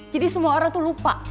jadi semua orang tuh lupa